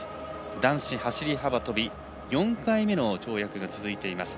男子走り幅跳び４回目の跳躍が続いています。